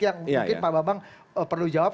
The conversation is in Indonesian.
yang mungkin pak bambang perlu jawab